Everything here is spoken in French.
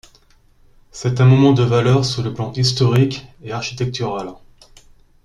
C'est un monument de valeur sur le plan historique et architectural.